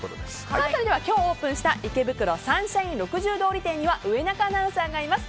今日、オープンした池袋サンシャイン６０通り店には上中アナウンサーがいます。